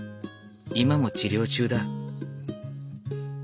今も治療中だ。